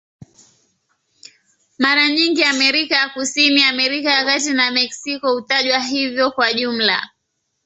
Mara nyingi Amerika ya Kusini, Amerika ya Kati na Meksiko hutajwa hivyo kwa jumla.